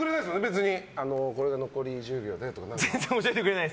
別にこれは残り２０秒でとか。